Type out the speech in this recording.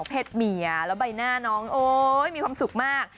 เห็ดเหมียแล้วใบหน้าน้องโอ๊ยมีความสุขมาก